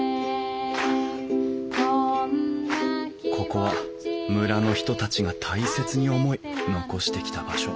ここは村の人たちが大切に思い残してきた場所。